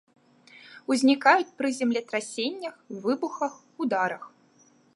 Узнікаюць пры землетрасеннях, выбухах, ударах.